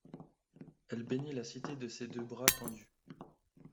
Elle bénit la cité de ses deux bras tendus.